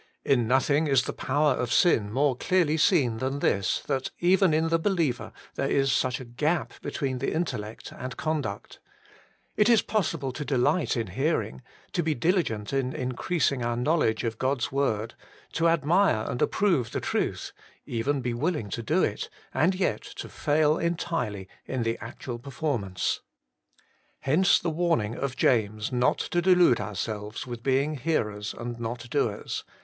In nothing is the power of sin more clearly seen than this, that even in the believer there is such a gap between intel lect and conduct. It is possible to delight in hearing, to be diligent in increasing our knowledge of God's word, to admire and approve the truth, even to be willing to do it, and yet to fail entirely in the actual per 138 Working for God 139 formance. Hence the warning of James, not to delude ourselves with being hearers and not doers.